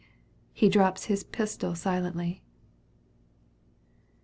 He drops his pistol silently.